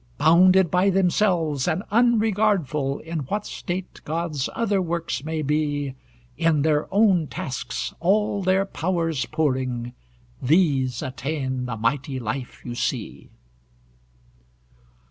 "Bounded by themselves, and unregardful In what state God's other works may be, In their own tasks all their powers pouring, These attain the mighty life you see."